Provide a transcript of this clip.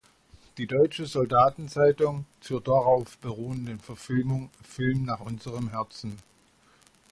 Die „Deutsche Soldaten-Zeitung“ zur darauf beruhenden Verfilmung: „Film nach unserem Herzen“.